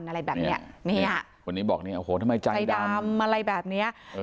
มันบอกนี่ทำไมใจดำอะไรแบบนี้